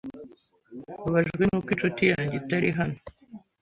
Mbabajwe nuko inshuti yanjye itari hano